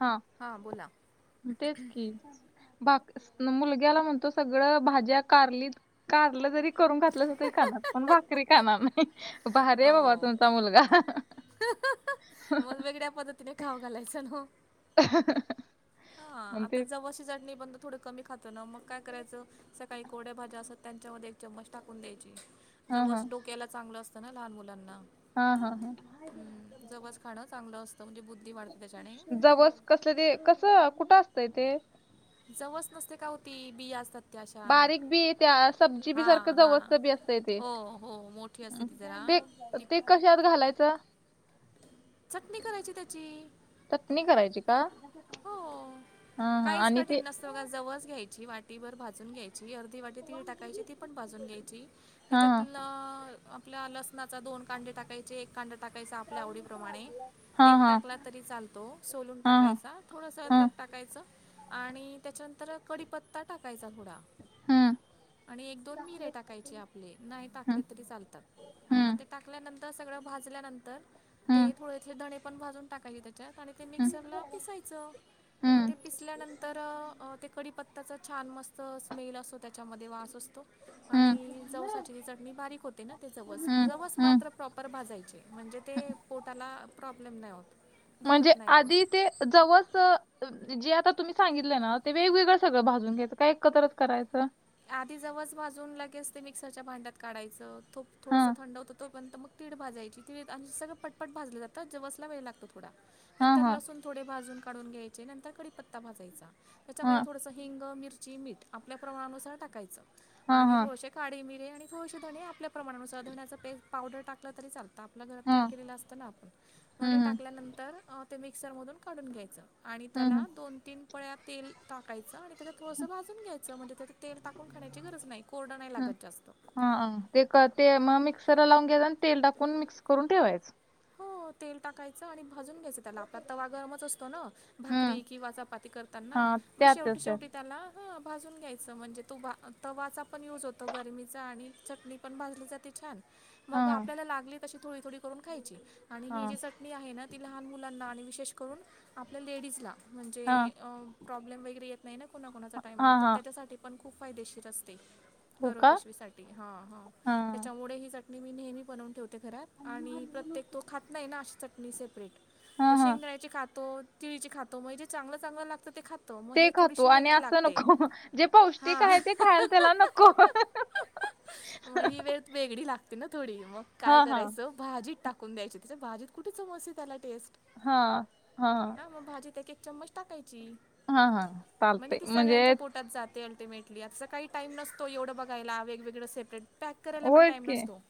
हा हां बोला. तेच कि. बाकीसन मुलग्याला म्हणतो सगळं भाज्या कारली. कारलं जरी करून घातलं तरी खाणार पण भाकरी खाणार नाही. भारी आहे बाबा हो तुमचा मुलगा मग वेगळ्या पद्धती. तिने खाऊ घालायच न. अ [inaudible] हा आता जवळशी चटणी पण थोडं कमी खातो ना मग काय करायचं चटणी. काही कोडे्या भाज्या असत त्यांच्या म एक चम्मच टाकून द्यायची हा हा जवस अस डोक्याला चांगलं असतं. च ना लहान मुलांना. हा हा हा हम्म जवस खाणं चांगलं असतं म्हणजे बुद्धी वाढते त्याच्याने. जवस. कसलं ते कसं कुठं असतंय ते. जवस नसते का हो ती बियास त्या आशा. बारीक बी त्या सब्जी बी सारख जवळच बी असतय ते हो हो मोठी असते अ ती जरा ते. ती ते कशात घालायचं. चटणी करायची त्याची. चटणी करायची का हा हा आणि ते. हवं का जवस घ्यायची वाटीभर भाजून घ्यायच. ची आर्धी वाटी तीळ टाकायची ती पण भाजून घ्यायची हा त्याच्यात आपल ल ''--'' नाचा दोन कांडे टाकायचे एक कांदा टाकायचा आपल्या आवडीप्रमाणे. हा एक हा टाकला तरी चालतो सोलून हा हा टाकायचा. थोडंसं हा अदरक टाकायचं आणि त्याच्यानंतर कडीपत्ता टाकायचा थोडा. हम्म आणि एक दोन मिरे टाकायचे आपले नाही टाकले हम्म तरी चालत आणि हम्म मग ते टाकल्यानंतर सगळं भाजल्यानंतर ते हम्म थोडे थ धणे पण भाजून टाकायले ते हम्म मिक्सरला पिसायचं मग हम्म ते पिसल्यानंतर ते कडीपत्ता त्याचा छान मस्त स्मेल असतो त्याच्यामध्ये वास असतो हम्म आणि जवसाची जी चटणी बारीक होते ना ते ज हम्म जवस हम्म मात्र प्रॉपर भाजायचे म्हणजे ते पोटाला प्रॉब्लेम नाही होत म्हणजे दुखत नाही पोट आधी ते जवस जे आता तुम्ही सांगितले ना तेे वेगवेगळं सगळं भाजून घ्यायंच काय एकत्रच करायचं आधी जवस भाजून लगेच ते मिक्सरच्या भांड्यात काढायचं तुप थोडंसं हां. थंड होतं तोपर्यंत मग तीळ भाजयची ती आणि सगळं पटपट भाजले जातं जवसला वेळ लागतो थोडा हां, नंतर हां. लसून थोडे भाजून काढून घ्यायचे नंतर कडीपत्ता भाजायचा त्याच्यामध्ये हां. थोडस हिंग, मिरची, मीठ आपल्या प्रमाणानुसार टाकायचं हां, आणि हां. थोडस काळी मिरे आणि थोसे धणी आपल्या प्रमाणाुार धण्याचा पेस् पावडर टकलं तरी चालतं आता आपलं घरात तयार हां. केलेलं असतं ना आपण मग हं, ते हं. टाकल्यानंतर ते मिक्सरमधून काढून घ्यायचं आणि हं, त्याला हं. दोन तीन पळ्या तेल टाकायचं आणि त्याला थोडंसं भाजून घ्यायचं म्हणजे त्या तेल टाकून खाण्याची गरज नाही कोरडं नाही लागत जास्त हा ते ते मग मिक्सरला लावून घ्यायच आणि तेल टाकून मिक्स करून ठेवायचं हो तेल टाकायचं आणि भाजून घ्यायचं त्याला आपला तर वागरमच असतो ना हं. भाकरी किवा चपाती करताना हां. मग शेवटी त्यातच त्यात. शेवटी त्याला ह भाजून घ्यायचं म्हणजे तो तवाचा पण युज होतो गरमीचा आणि चटणी पण भाजली जाते छान मग हां, आपल्याला लागली तशी थोडी थोडी करून खायची आणि ही हां. जी चटणी मी आहे ना ती लहान मुलांना आणि विशेष करून आपल्या लेडीजला हां. म्हणजे प्रॉब्लेम वगैरे येत नाही ना कोणाकोणाच्या हां, टायमात तर हां. त्याच्यासाठी पण खूप फायदेशीर असते हो गरोव का? पिशवीसाठी हा हा हां. त्याच्यामुळे ही चटणी मी नेहमी बनवून ठेवतेो ते घरात आणि प्रत्येक तो खात नाही ना अशी चटणी सेपरेट तो हां, हां. शेंगयची खातो तिळीची खातोणजे चांगलं चांग लातं ते खात ते खातो आणि असं नको जे पौष्टिक हां आहे ते खायला त्याला नको मग ही वेळ वेगळी लागते ना थोडी मग काय हां, हां. करायचं भाजीत टाकून द्यायची त्याच्या भाजीत कुठे चमसते त्याला टेस्ट हा हा ह ह मग भाजीत एक एक चम्मच टाकायची हां, हां. म्हणजे चालतंय. ती सगळ्यांच्या पोटात जातेल ते मेटली आजचा काही टाम नतो एवढं बघायला वेगवेगळं सेपरेट पॅक करायला पण होयच टाइम की. नसतो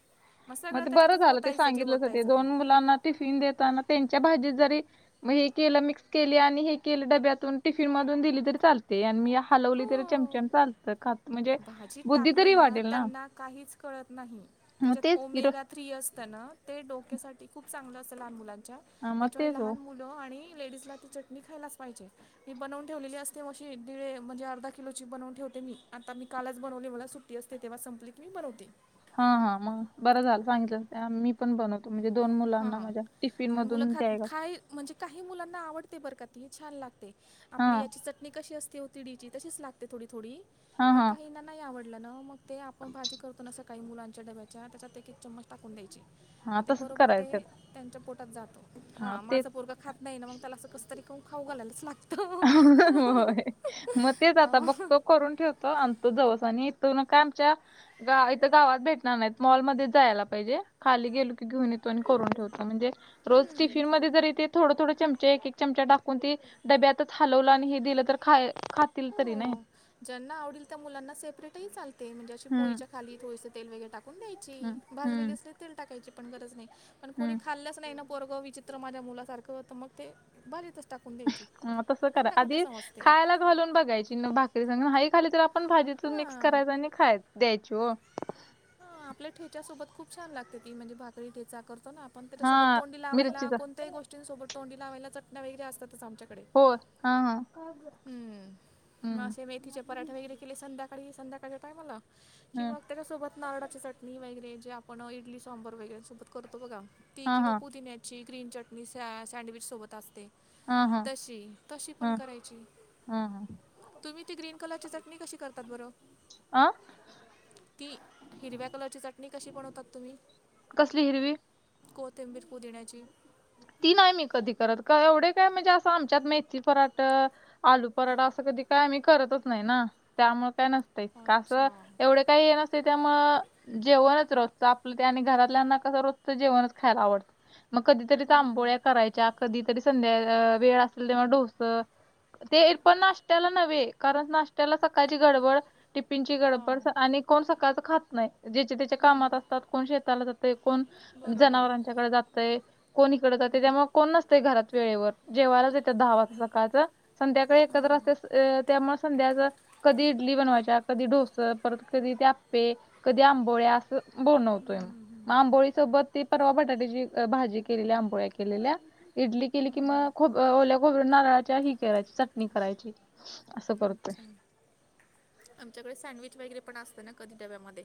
मग सगळं ते बरं त्याच्यात झालं ते होतायच जे सांगितलंस ते दोन मुलांना टिफिन देताना त्यांच्या भाजी जरी मग हे केलं मिक्स के आणि हे केलं डब्यातून टिफिन मधून दिली तरी चालते आणि मी खालवली तरी हो चमचाम चालतं खात म्हणजे भाजीत बुद्धी तरी टाकलं वाटेल ना त्यांना काहीच कळत नाही मग त्याच्यात तेच की र ओमेग थ्री असतना ते डोक्यासाठी खूप चांगलं असतं लहान मुलांच्या हां, मग त्याच्यामुळे तेच ओ. लहान मु आणि लेडीज ला ती चटणी खायलाच पाहिजे ती बनवून ठेवलेली असते मशी दिळे म्हणजे अर्धा किलोची बनवून ठेवते मी आता मी कालच बनवली मला सुट्टी असते तेव्हा संपली की मी बनवते हा हा मग बरं झालं सांगितलं मी पण बनवत म्हणजे दोन मुलांना हां माझ्या टिफिन आणि मुलं मधून खात द्याय का खाय म्हणजे काही मुलांना आवडते बरक ती छान लागते आपली हां, याची चटणी कशी असते तिडीची तशीच लागते थोडी थोडी हां, पण हां. काहीना नाही आवडलं ना मग ते आपण भाजी करतो काही मुलांच्या डब्याच्या आत एक-एक चमच टाकून द्यायची मग ते बरोबर ते तर त्यांच्या पोटात जातो. हा माझं पोरगं खात नाही ना मग त्याला असं कसतरी खाऊ खाऊ घालायलाच लागत. होय. मग तेच आता बघतो करून ठेवतो आणतो जवस आणि इथ का आमच्या गा इथं गावात भेटणार नाहीत मॉलमध्ये जायला पाहिजे खाली गेलो घेऊन येतो आणि करून ठेवतो म्हणजे रोज टिफिन मध्ये जरी ते थोडं थोडं चमचा एक-एक चमचा टाकून ते डब्यातच हलवलं आणि हे दिलं तर खा खातील तरी नाही. हो. ज्यांना आवडेल त्या मुलांना सेपरेटही चालते म्हणजे अशी हम्म पोळीच्या खाली थोडसं तेल वगैरे. टाकून द्यायची हम्म भाजलेली हम्म अस तेल टाकायची पण गरज नाही पण कोणी हम्म खाल्लंच नाही पोरग विचि त्र माझ्या मुलासारखं होतं मग ते भाजीतच टाकून द्यायचे मग तसं करा त्यांना कुठे आधी समजते. खायला घालून बघायची भाकरी संग न्हाई खाली तर आपण भाजीतून मिक्स हां. करायच आणि खाया द्याय च ओ! हा आपल्या ठेच्यासोबत खूप छान लागते ती म्हणजे भाकरी ठेचा करतो ना आप पण हा त्याच्यासोबत तोंडी लावायला मिरचीचा कोणत्याही गोष्टींसोबत तोंडी लावायला चटण्या वैगैर असातच आमच्याकडे हो, हा हा. हम्म, म हम्म असे मेथीचे पराठे वगैरे केले संध्याकाळी संध्याकाळच्या टायमाला की हम्म मग त्याच्यासोबत नारळाची चटणी वगैरे जे आपण इडली-सांबर वगैरे सोबत करतो बघा, ती हा हा किंवा पुदिन्याची ग्रीन चटणी सँडविच सोबत असते हा हा तशी, तशी हा पण करायची. हा हा! तुम्ही ती ग्रीन कलरची चटणी कशी करतात बरं? अ ती हिरव्या कलरची चटणी कशी बनवतात तुम्ही? कसली हिरवी? कोथिंबीर आणि पुदिन्याची. ती न्हाय मी कधी करत काय एवढं काय म्हणजे असं आमच्यात मेथी पराठ आलू पराठा असं कधी काय आम्ही करतच नाही ना, त्यामुळे काय नसतय का अच्छा असं एवढ काही नसतय त्यामुळं जेवणच रोजचं आपलं, ते आणि घरातल्यांना कसं रोजचं जेवणच खायला आवडतं मग कधी हम्म. आंबोळ्या करायच्या, कधीतरी संध्या वेळ असेल तेव्हा डोस ते पण नाष्ट्याला नव्हे, कारण नाष्ट्याला सकाळची गडबड टिपिन ची गडबड हां आणि कोण सकाळचं खात नाही, ज्याच्या-त्याच्या कामात असतात कोण शेताला जातं ते कोण बरोबर जनावरांच्याकडे जातय कोण इकडं जाते त्यामुळे कोण नसतय घरात वेळेवर जेवायलाच येत्यात दहा वाजता सकाळचं संध्याकाळी एकत्र असत्यात त्यामुळ संध्याकाळचं कधी इडली बनवायच्या, कधी डोस, परत कधी ते आप्पे, कधी आंबोळ्या अस बनवतोय, म आंबोळी सोबत ती परवा बटाट्याची अ भाजी केलेल्या आंबोळ्या केलेल्या, इडली केली की मग खोब ओल्या खोबऱ्या नारळाच्या, ही करायची चटणी करायची. असं करतोय. अच्छा, आमच्याकडे सँडविच वगैरे पण असतं ना कधी डब्यामध्ये.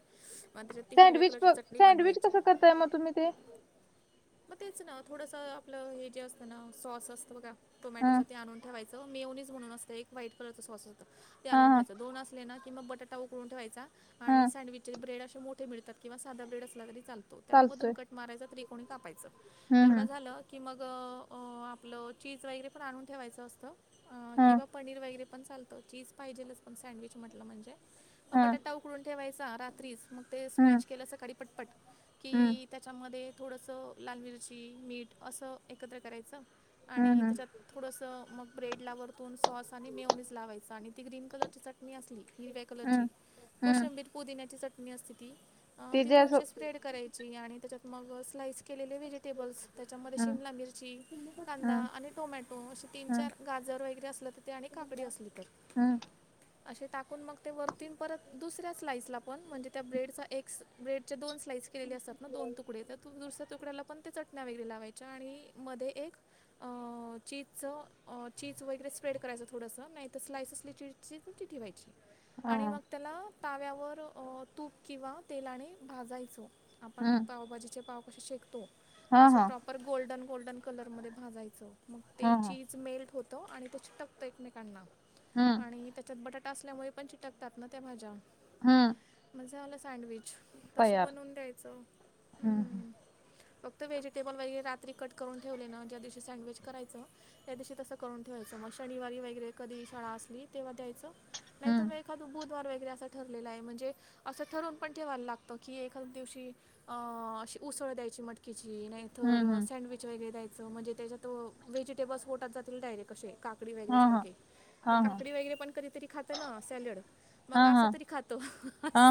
म आता त्याच्यात ती हिरव्या कलर ची चटणी बनवायची. काय मग तुम्ही ते मग तेच ना थोडसं आपलं हे जे असतं ना सॉस असतं बघा ह टोमॅटोचं, ते आणून ठेवायचं. मिओनीज म्हणून असतं एक व्हाईट कलरचं सॉस होत ते हा आणून हा ठेवा, दोन अस असले ना कि मग बटाटा उकळून ठेवायचा आणि हा सँडविचचे ब्रेड असे मोठे मिळतात किंवा साधा ब्रेड असला तरी चालतो. त्याला मधून चालतोय कट मारायचा त्रिकोणी कापायचं. हम्म तेवढं झालं, की मग आपलं चीज वगैरे पण आणून ठेवायचं असतं. अ हम्म किंवा पनीर वगैरे पण चालतो, चीज पाहिजेलच पण सँडविच म्हटलं म्हणजे. हा हा बटाटा उकडून ठेवायचा रात्रीच, मग ते हम्म स्मॅच केलं सकाळी पटपट. हम्म की त्याच्यामध्ये थोडंसं लाल मिरची, मीठ असं एकत्र करायचं. आणि हम्म हम्म त्याच्यात थोडंसं मग ब्रेडला वरतून सॉस आणि मायोनिज लावायचं आणि ती ग्रीन कलरची चट चटणी असली हिरव्या कलरची, हम्म हम्म कोशंबीर पुदिन्याची चटणी असती ती. ते ती जे असं थोडीशी स्प्रेड करायची आणि त्याच्यात मग स्लाइस केलेले व्हेजिटेबल्स त्याच्यामध्ये हम्म शिमला मिरची कांदा हम्म आणि टोमॅटो अशे हम्म तीन-चार गाजर वगैरे असलं तर ते आणि काकडी असली तर. हम. असे टाकून मग ते वरती परत दुसऱ्या स्लाईस ला पण म्हणजे त्या ब्रेडचा एक स्ल ब्रेडचे दोन स्लाईस केलेली असतात ना दोन तुकडे त्या दुसऱ्या तुकड्याला पण ते चटण्या वगैरे लावायच्या आणि मध्ये एक अ चीजचं, चीज वगैरे स्प्रेड करायचं थोडंसं नाहीतर स्लाइस असली चीज चीज मग ती ठेवायची. हा आणि मग त्याला ताव्यावर तूप किंवा तेलाने भाजायचं. आपण हम्म पावभाजीचे पाव कसे शेकतो. हा तसे हा प्रॉपर गोल्डन-गोल्डन कलर मध्ये भाजायचं, मग हा ते हा चीज मेल्ट होतं आणि ते चिटकतं एकमेकांना, हम्म आणि त्याच्यात बटाटा असल्यामुळे पण चिटकतात ना त्या भाज्या. हम्. म्हणजे आलं सँडविच तसं बनवून द्यायचं हम हम हम्म. फक्त व्हेजिटेबल वगैरे रात्री कट करून ठेवले ना ज्या दिवशी सँडविच करायचं त्या दिवशी तसं करून ठेवायचं मग शनिवारी वगैरे कधी शाळा असली तेव्हा द्यायचं नाही तर हम्म मग एखाद बुधवार वगैरे असं ठरलेलं आहे म्हणजे असं ठरून पण ठेवायला लागतं की एखाद दिवशी अ अशी उसळ द्यायचे ची मटकीची नाहीत तर हम्म हम्म सँडविच वगैरे द्यायचं म्हणजे त्याच्यात व्हेजिटेबल्स होटातील डायरेक्ट कसे काकडी वगैरे हा हा सारखे ते हा हा काकडी वगैरे पण कधीतरी खातं ना सॅलड मग हा असं तरी खातो अस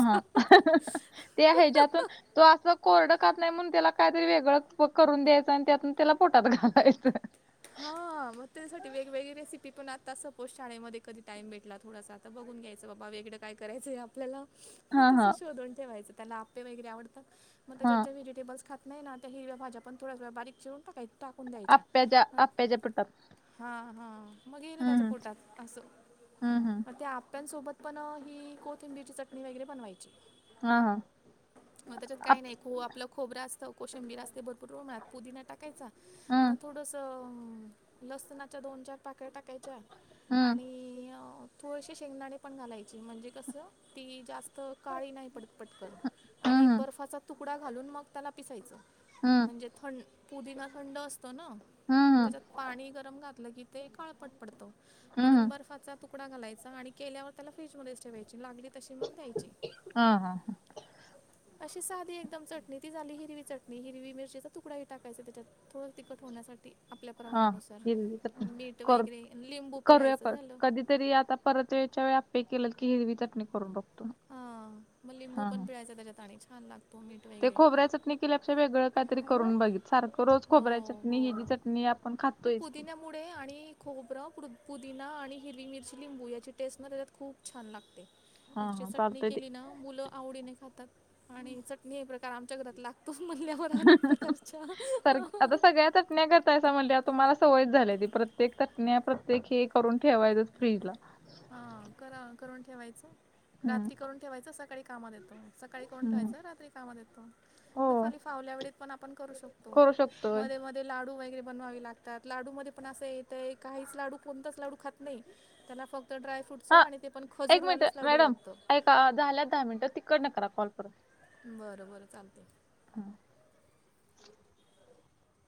ह ते आहे ज्यातून तो असं कोरडं काात नाही म्हणून त्याला काहीतरी वेगळं करून द्यायचं आणि त्यातून त्याला पोटात घालायचं हा मग त्यासाठी वेगवेगळी रेसिपी पण आता सपोज शाळेमध्ये कधी टाइम भेटला थोडासा ता बघून घ्यायचं बा बा इकडें काय करायचंय आपल्याला मग हां, तसं हां, शोधून ठेवायचं त्याला आपे वगैरे आवडतातग हां. त्याच्या व्हेजिटेबल्स खातात नाही ना आ हिरव्याज पण थड्या वेळा बारीक चिरून टाकाय टाकून द्यायच्या आपे ज पुटत हा हा मग येल त्याच्या पोटात असं हं, हं. मग त्या आप्यांसोबत पण ही कोथिंबीरची चटणी वगैरे बनवायची हा हां मग त्याच्यात काही आप नाही खू आपला खोबं असत कोशंबीर असते ब पु पुदीना टाकायचा हं, थोड त, लसणाच्या दोन चार पाकळ्या टाकायच्या, हं. आणि अ थोडेसे शेंगदाणे पण घालायचे म्हणजे कसं, ती जास्त काळी नाही पडत पटकन. हं, आणि एक हं. बर्फाचा तुकडा घालून मग त्याला पिसायचं, हं. म्हणजे थं पुदिना थंड असतं न. हं, हं. त्याच्यात पाणी गरम घातलं की ते काळपट पडतं. हं, म्हणून हं. बर्फाचा तुकडा घालायचा आणि केल्यावर त्याला फ्रीज मच ठेवायची लागली तशी मग द्यायची. आ हा. अशी साधी एकदम चटणी ती झाली हिरवी चटणी हिरवी मिरचीचा तुकडाही टाकायचा त्याच्यात. थोडं तखट होण्यासाठी. आपल्या हां. प्रमाणानुसार, हिरवी चटणी मीठ वगैरे लिंबू पिळाायचं झालं. तरी आता परत वेळच्या वेळी आप्पे केलं की हिरवी चटणी करून बघतो. हा म लिंबू हां, पण हां. पिळायचं त्याच्या आणी छान लाग ते खोबऱ्या चटणी केल्यापेक्षा वेगळं काहीतरी करून बघित सारखं रोज खोबऱ्या चटणी ही जी चटणी आपण खातोयच की. पुदीन्या मुळे आणि खोबरं प्रो- पुदिना आणि हिरवी मिरची लिंबू याची टेस्टमध्ये तर खूप छान लागते. हा मगची हा चटणी चालतंय ते केली न मुलं आवडीने खातात, आणि चटणी हे प्रकार आमच्या घरात लाग तोच म्हणल्यावर अनेक प्रकारच्या. सर आता सगळ्या चटण्या करतायसा म्हणल्या वर तुम्हाला सवय झालीया ती प्रत्येक चटण्या प्रत्येक हे करून ठेवायचं फ्रीजला. हा करा करून ठेवायचं. हम्म रात्री करून ठेवायचं सकाळी कामाला येत म सकाळी करून हम्म ठेवायचं रात्री कामाला येतो. हो दुपारी फावल्या वेळीत पण आपण करू शकतो, करू शकतोय मध्ये मध्य ते लाडू वगैरे बनवावे लागतात लाडूमध्ये पण असं येतय काहीच लाडू कोणताच लाडू खात नाही. त्याला फक्त ड्रायफ्रूटच हा आणि ते पण खजूरवालाच लाडू लागत. ता झाल्यात दहा मिनिटं तिकडन करा कॉल परत. बरं बरं चालतय. हा.